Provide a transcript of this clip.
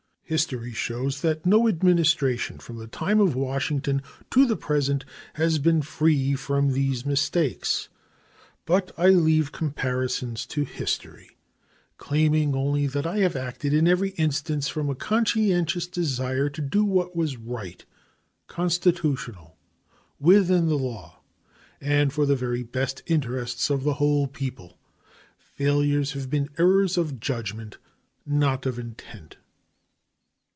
History shows that no Administration from the time of Washington to the present has been free from these mistakes. But I leave comparisons to history, claiming only that I have acted in every instance from a conscientious desire to do what was right, constitutional, within the law, and for the very best interests of the whole people. Failures have been errors of judgment, not of intent.